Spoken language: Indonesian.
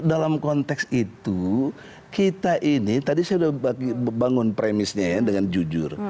dalam konteks itu kita ini tadi saya sudah bangun premisnya ya dengan jujur